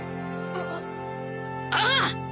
ああ！